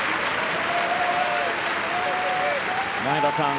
前田さん